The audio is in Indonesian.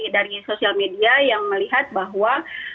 dari sosial media yang melihat bahwa